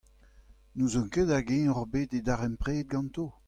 N’ouzon ket hag-eñ ocʼh bet e darempred ganto ?